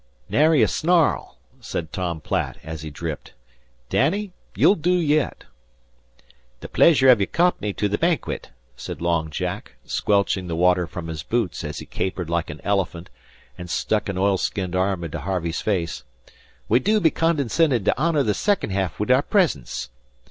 "Nary snarl," said Tom Platt as he dripped. "Danny, you'll do yet." "The pleasure av your comp'ny to the banquit," said Long Jack, squelching the water from his boots as he capered like an elephant and stuck an oil skinned arm into Harvey's face. "We do be condescending to honour the second half wid our presence."